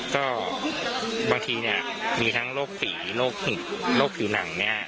ก็บางทีเนี่ยมีทั้งโรคฝีโรคผิวหนังเนี่ย